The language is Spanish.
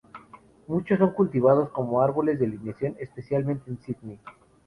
Muchos son cultivados como árboles de alineación, especialmente en Sídney.